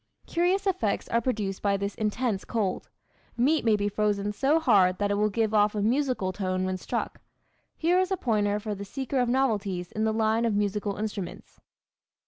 Curious effects are produced by this intense cold. Meat may be frozen so hard that it will give off a musical tone when struck. Here is a pointer for the seeker of novelties in the line of musical instruments.